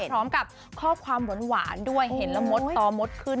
พร้อมกับข้อความหวานด้วยเห็นแล้วมดต่อมดขึ้น